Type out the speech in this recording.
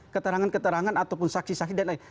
keterangan keterangan ataupun saksi saksi dan lain